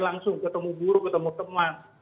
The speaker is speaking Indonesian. langsung ketemu guru ketemu teman